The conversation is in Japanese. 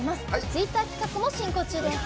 ツイッター企画も進行中です。